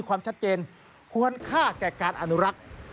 ควรค่าแก่การอนุรักษ์